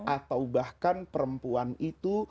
atau bahkan perempuan itu